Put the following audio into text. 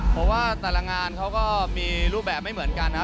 เพราะว่าแต่ละงานเขาก็มีรูปแบบไม่เหมือนกัน